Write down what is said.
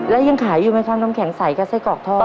แล้วยังขายอยู่ไหมครับน้ำแข็งใสกับไส้กรอกทอด